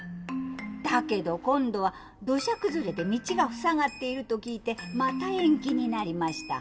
だけど今度は土砂崩れで道が塞がっていると聞いてまた延期になりました。